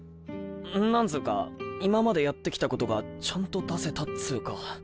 なんつぅか今までやってきたことがちゃんと出せたっつぅか。